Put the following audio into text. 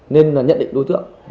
nên là nhận định đối tượng